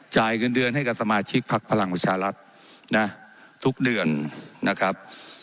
จ่ายเงินเดือนให้กับสมาชิกพักพลังประชารัฐนะทุกเดือนนะครับ